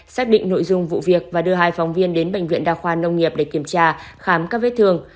xác định nội dung vụ việc và đưa hai phóng viên đến bệnh viện đa khoa nông nghiệp để kiểm tra khám các vết thương